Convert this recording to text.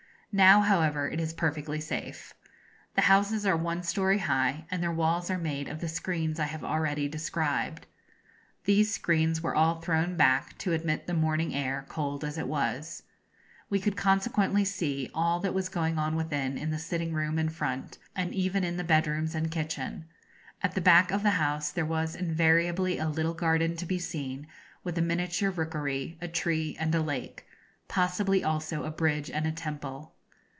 Now, however, it is perfectly safe. The houses are one story high, and their walls are made of the screens I have already described. These screens were all thrown back, to admit the morning air, cold as it was. We could consequently see all that was going on within, in the sitting room in front, and even in the bedrooms and kitchen. At the back of the house there was invariably a little garden to be seen, with a miniature rockery, a tree, and a lake; possibly also a bridge and a temple.